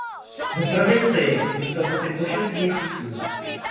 V provincii zůstal asi po šest měsíců.